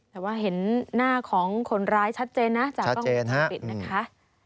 แต่ว่าเห็นหน้าของคนร้ายชัดเจนนะจากกล้องวงจรปิดนะคะ